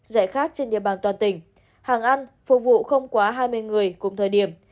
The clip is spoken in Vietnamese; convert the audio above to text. dạy khác trên địa bàn toàn tỉnh hàng ăn phục vụ không quá hai mươi người cùng thời điểm